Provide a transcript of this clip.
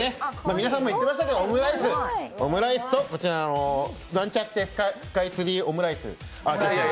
皆さんも言ってましたけどオムライスと、こちらのなんちゃってスカイツリーオムライス。